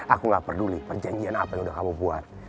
aku gak peduli perjanjian apa yang udah kamu buat